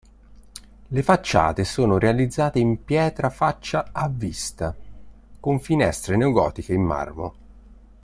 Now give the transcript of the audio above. Le facciate sono realizzate in pietra faccia a vista, con finestre neogotiche in marmo.